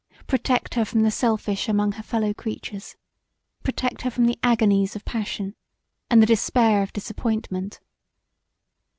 Protect her from the selfish among her fellow creatures: protect her from the agonies of passion, and the despair of disappointment!